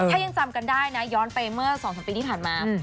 ถ้ายังจำกันได้นะย้อนไปเมื่อ๒๓ปีที่ผ่านมา